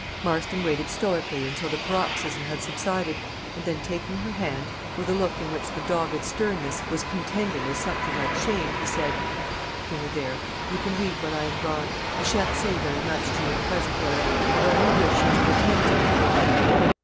Marston waited stoically until the paroxysm had subsided, and then taking her hand, with a look in which a dogged sternness was contending with something like shame, he said: "There, there; you can weep when I am gone. I shan't say very much to you at present, Rhoda, and only wish you to attend to me for one minute.